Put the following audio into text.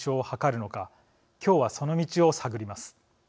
今日はその道を探ります。